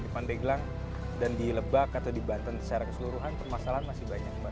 di pandeglang dan di lebak atau di banten secara keseluruhan permasalahan masih banyak mbak